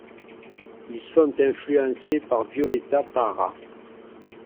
Ils sont influencés par Violeta Parra.